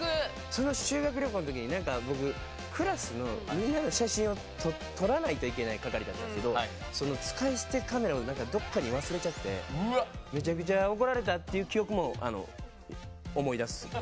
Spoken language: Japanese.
その修学旅行のときに僕クラスのみんなの写真を撮らないといけない係だったんですけどその使い捨てカメラをどっかに忘れちゃってめちゃくちゃ怒られたって記憶も思い出す。